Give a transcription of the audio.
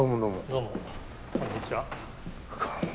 どうもこんにちは。